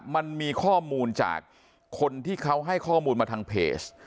มันมีข้อมูลจากคนที่เขาให้ข้อมูลมาทางเพจ